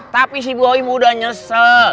tapi si poim udah nyesel